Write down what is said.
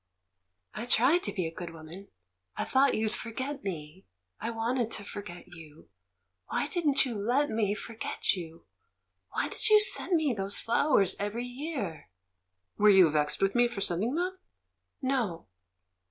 "I tried to be a good woman — I thought you'd forget me ; I wanted to forget you. Why didn't you let me forget you? Why did you send me those flowers every year?" "Were you vexed with me for sending them?" "No."